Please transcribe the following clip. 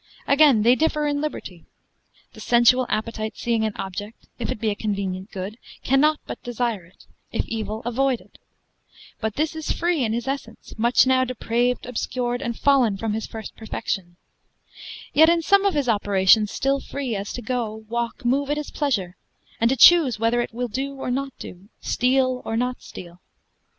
Again, they differ in liberty. The sensual appetite seeing an object, if it be a convenient good, cannot but desire it; if evil, avoid it: but this is free in his essence, much now depraved, obscured, and fallen from his first perfection; yet in some of his operations still free, as to go, walk, move at his pleasure, and to choose whether it will do or not do, steal or not steal.